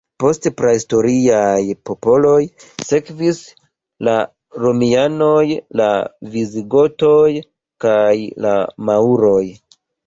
Post prahistoriaj popoloj sekvis la Romianoj, la Visigotoj kaj la Maŭroj.